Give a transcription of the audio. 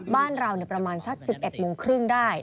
บ้านเราประมาณสัก๑๑โมงครึ่งได้